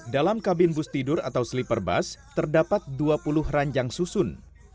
dalam kabin bus tidur atau sleeper bus terdapat dua puluh ranjang susun